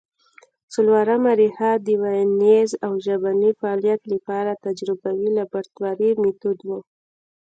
څلورمه ریښه د ویناييز او ژبني فعالیت له پاره تجربوي لابراتواري مېتود وو